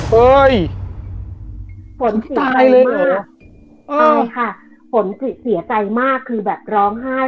เฮ้ยตายเลยนะฝนเสียใจมากคือแบบร้องไห้